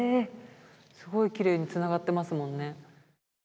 すごいきれいにつながってますもんね。